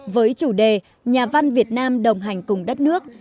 với chủ đề nhà văn việt nam đồng hành cùng đất nước